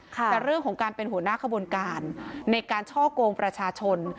แต่เรื่องของการเป็นหัวหน้าขบวนการในการช่อกงประชาชน